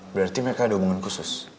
berarti mereka ada omongan khusus